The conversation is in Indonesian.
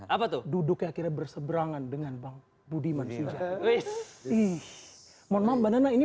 apa tuh duduk akhirnya berseberangan dengan bang budiman sujarwisih mon mon banana ini